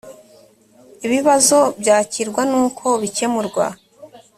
ibibazo byakirwa n uko bikemurwa